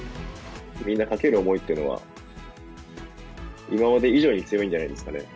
みんなかける思いというのは、今まで以上に強いんじゃないですかね。